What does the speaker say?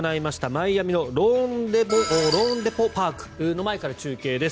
マイアミのローンデポ・パークの前から中継です。